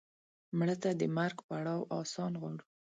مړه ته د مرګ پړاو آسان غواړو